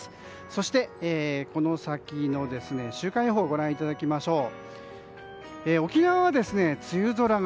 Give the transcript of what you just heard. そして、この先の週間予報をご覧いただきましょう。